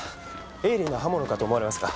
鋭利な刃物かと思われますが。